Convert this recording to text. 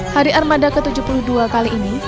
hari armada ke tujuh puluh dua kali ini